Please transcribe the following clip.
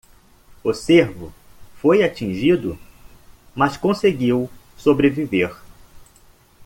O cervo foi atingido? mas conseguiu sobreviver.